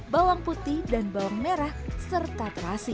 bawang putih dan bawang merah serta terasi